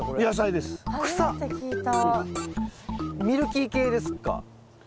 ミルキー系ですか？